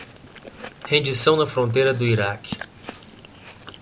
Rendição na fronteira do Iraque